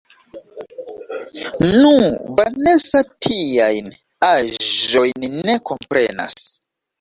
Nu, Vanesa tiajn aĵojn ne komprenas.